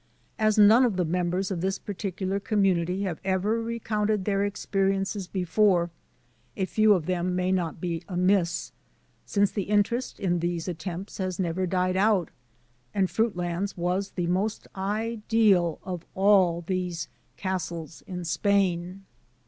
As none of the members of this particular community have ever recounted their experiences before, a few of them may not be amiss, since the interest in these attempts has never died out and Fruit lands was the most ideal of all these castles in Spain.